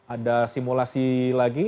ada simulasi lagi